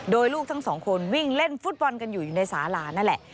โดยลูกทั้งสองคนวิ่งเล่นฟุตบอลกันอยู่อยู่ในสาลานั่นแหละ